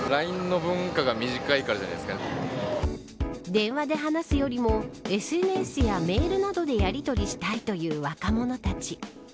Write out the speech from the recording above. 電話で話すよりもＳＮＳやメールなどでやりとりしたいという若者たち。